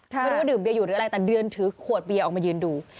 ไม่รู้ว่าดื่มเบียอยู่หรืออะไรแต่เดือนถือขวดเบียร์ออกมายืนดู